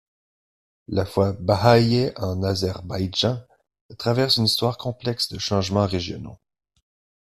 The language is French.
La foi bahá’íe en Azerbaïdjan traverse une histoire complexe de changements régionaux.